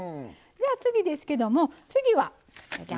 では次ですけども次はジャン！